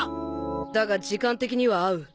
だが時間的には合う。